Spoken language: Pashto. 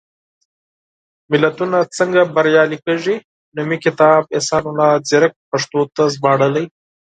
ملتونه څنګه بریالي کېږي؟ نومي کتاب، احسان الله ځيرک پښتو ته ژباړلی.